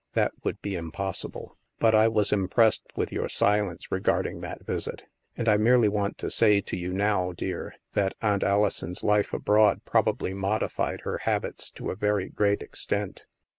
That would be impossible. But I was impressed with your silence regarding that visit. And I merely want to say to you now, dear, that Aunt Alison's life abroad probably modified her habits to a very great extent.